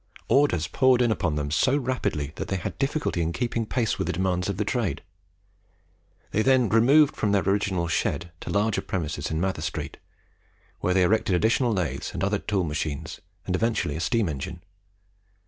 Orders poured in upon them so rapidly, that they had difficulty in keeping pace with the demands of the trade. They then removed from their original shed to larger premises in Matherstreet, where they erected additional lathes and other tool machines, and eventually a steam engine.